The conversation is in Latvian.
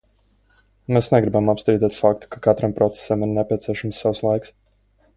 Mēs negribam apstrīdēt faktu, ka katram procesam ir nepieciešams savs laiks.